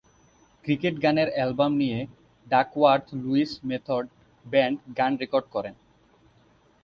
Cricket গানের album নিয়ে Duckworth Lewis method band গান রেকর্ড করে।